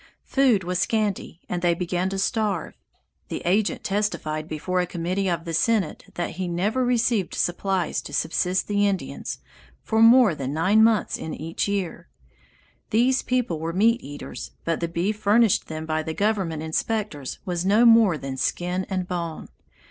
Food was scanty, and they began to starve. The agent testified before a committee of the Senate that he never received supplies to subsist the Indians for more than nine months in each year. These people were meat eaters, but the beef furnished them by the government inspectors was no more than skin and bone.